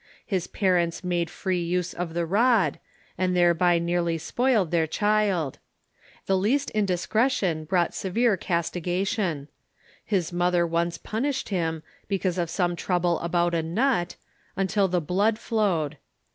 His parents made free use of the rod, and thereby nearly spoiled their child. The least indiscretion brought School"^ severe castigation. His mother once punished him, because of some trouble about a nut, until the blood flowed.